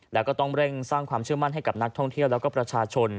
แล้วก็ต้องเร่งสร้างความเชื่อมั่นให้กับนักท่องเที่ยวแล้วก็ประชาชน